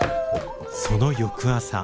その翌朝。